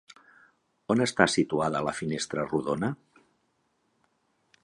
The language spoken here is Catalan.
On està situada la finestra rodona?